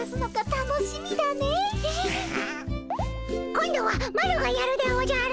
今度はマロがやるでおじゃる。